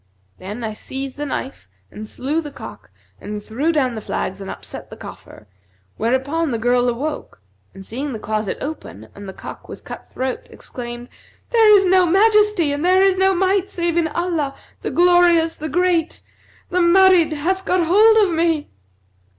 Then I seized the knife and slew the cock and threw down the flags and upset the coffer, whereupon the girl awoke and, seeing the closet open and the cock with cut throat, exclaimed, 'There is no Majesty and there is no Might save in Allah, the Glorious, the Great! The Marid hath got hold of me!'